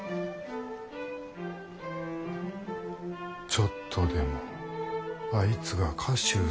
ちょっとでもあいつが菓子ゅう